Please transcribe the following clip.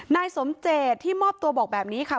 นายสมเจตที่มอบตัวบอกแบบนี้ค่ะ